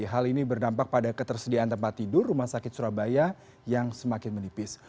hal ini berdampak pada ketersediaan tempat tidur rumah sakit surabaya yang semakin menipis